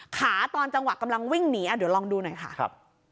ตอนจังหวะกำลังวิ่งหนีเดี๋ยวลองดูหน่อยค่ะครับ